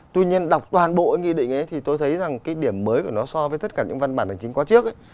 tuy nhiên đọc toàn bộ nghị định thì tôi thấy rằng cái điểm mới của nó so với tất cả những văn bản hành chính quá trước